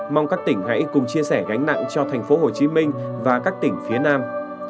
mong các tỉnh hãy cùng chia sẻ gánh nặng cho thành phố hồ chí minh và các tỉnh phía nam